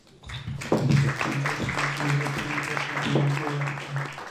Realizó extensas expediciones botánicas por el norte de África.